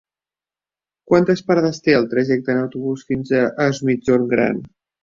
Quantes parades té el trajecte en autobús fins a Es Migjorn Gran?